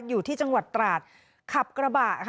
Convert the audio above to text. อยู่ที่จังหวัดตราดขับกระบะค่ะ